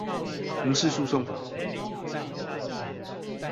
民事訴訟法